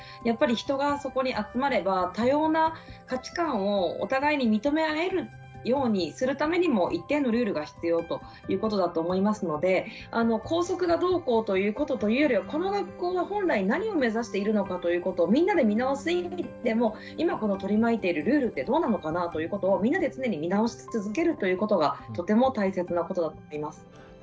やっぱり人がそこに集まれば多様な価値観をお互いに認め合えるようにするためにも一定のルールが必要ということだと思いますので校則がどうこうということというよりはこの学校は本来何を目指しているのかということをみんなで見直す意味でも今この取り巻いているルールってどうなのかなあということをみんなで常に見直し続けるということがとても大切なことだと思います。